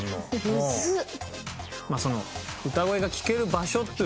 むずっ！